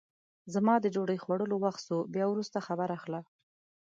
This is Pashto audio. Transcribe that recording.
زما د ډوډۍ خوړلو وخت سو بیا وروسته خبر اخله!